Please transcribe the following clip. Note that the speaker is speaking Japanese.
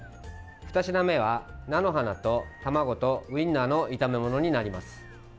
２品目は、菜の花と卵とウインナーの炒め物になります。